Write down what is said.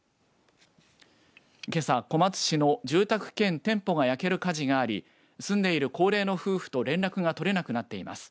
けさ小松市の住宅兼店舗が焼ける火事があり住んでいる高齢の夫婦と連絡が取れなくなっています。